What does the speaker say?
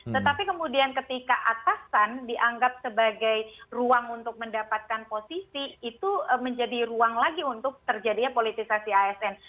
tetapi kemudian ketika atasan dianggap sebagai ruang untuk mendapatkan posisi itu menjadi ruang lagi untuk terjadinya politisasi asn